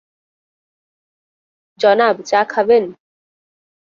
জনাব, চা খাবেন?